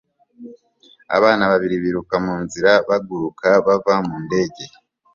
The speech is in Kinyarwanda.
Abana babiri biruka mu nzira bagaruka bava mu ndege